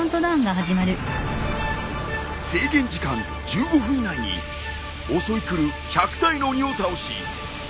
制限時間１５分以内に襲い来る１００体の鬼を倒し魔界の扉を閉じろ！